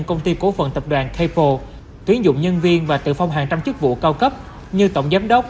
công ty cổ phần tập đoàn capo tuyến dụng nhân viên và tự phong hàng trăm chức vụ cao cấp như tổng giám đốc